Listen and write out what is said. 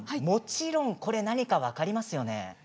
もちろんこれは何か分かりますよね？